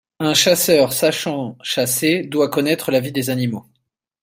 Un chasseur sachant chasser doit connaître la vie des animaux